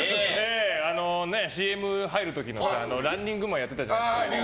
ＣＭ入る時、ランニングマンやってたじゃないですか。